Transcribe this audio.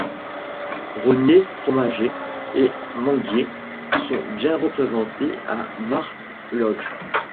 Rôniers, fromagers et manguiers sont bien représentés à Mar Lodj.